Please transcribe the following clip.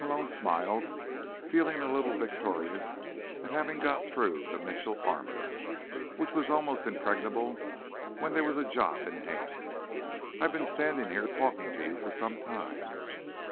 Malone smiled, feeling a little victorious at having got through the Mitchell armor, which was almost impregnable when there was a job in hand. "I've been standing here talking to you for some time."